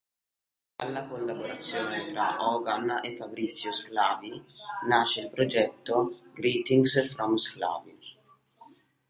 Dalla collaborazione tra Hogan e Fabrizio Sclavi nasce il progetto “Greetings from Sclavi”.